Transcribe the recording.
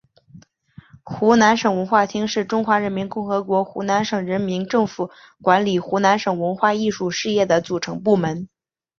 湖南省文化厅是中华人民共和国湖南省人民政府管理湖南省文化艺术事业的组成部门。